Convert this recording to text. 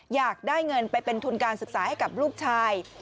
อยากได้เงินไปเป็นทุนการศึกษาให้กับลูกชาย